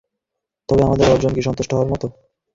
তবে আমাদের অর্জন কি সন্তুষ্ট হওয়ার মতো?